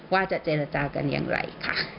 ว่าจะเจรจากันอย่างไรค่ะ